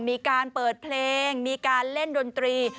มีการเปิดเพลงมีการเล่นดนตรี